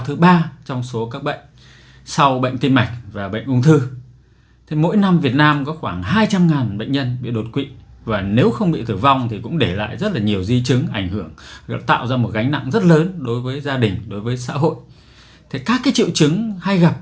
subscribe cho kênh truyền thông báo để anh thì muốn biết được những điều đáng giá ra về bệnh nhân trong thời gian qua